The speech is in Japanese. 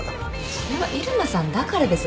それは入間さんだからです。